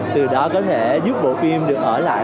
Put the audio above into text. từ đó có thể giúp bộ phim được ở lại